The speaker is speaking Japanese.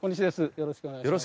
よろしくお願いします。